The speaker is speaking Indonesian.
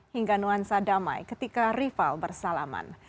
hingga nuansa damai ketika rival bersalaman